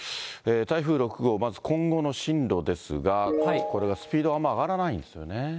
台風６号、まず今後の進路ですが、これはスピードが上がらないんですよね。